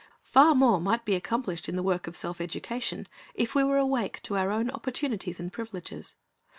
Far more might be accomplished in the work of self education if we were awake to our own opportunities and privileges.